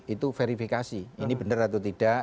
itu verifikasi ini benar atau tidak